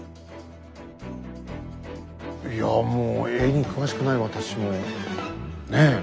いやもう絵に詳しくない私もねえ？